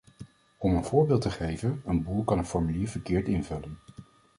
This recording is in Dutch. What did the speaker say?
Om een voorbeeld te geven, een boer kan een formulier verkeerd invullen.